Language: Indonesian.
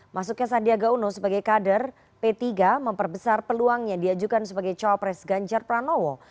masuknya sandiaga uno sebagai kader p tiga memperbesar peluang yang diajukan sebagai co pres ganjar pranowo